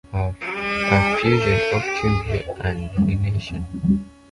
A fusion of cumbia and reggaeton.